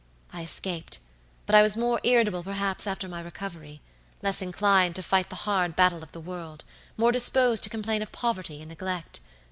I escaped, but I was more irritable perhaps after my recovery, less inclined to fight the hard battle of the world, more disposed to complain of poverty and neglect.